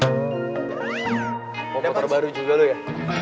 mau motor baru juga lo ya